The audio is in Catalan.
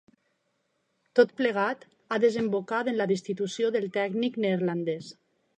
Tot plegat, ha desembocat en la destitució del tècnic neerlandès.